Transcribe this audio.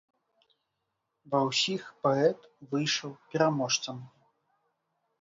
Ва ўсіх паэт выйшаў пераможцам.